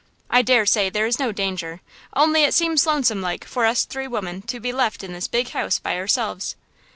I dare say there is no danger, only it seems lonesome like for us three women to be left in this big house by ourselves."